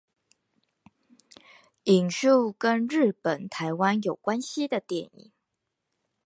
引述跟日本台灣有關係的電影